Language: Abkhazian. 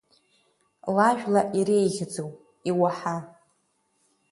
Ла жәла иреиӷьӡоу, иуаҳа…